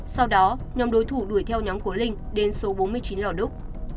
sau đó nhóm đối thủ đuổi theo nhóm của linh đến số bốn mươi chín lò đúc